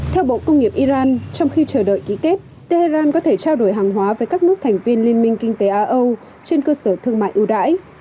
theo bộ công nghiệp iran trong khi chờ đợi ký kết tehran có thể trao đổi hàng hóa với các nước thành viên liên minh kinh tế á âu trên cơ sở thương mại ưu đãi